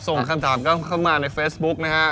ส่งคำถามเข้ามาในเฟซบุ๊กนะฮะ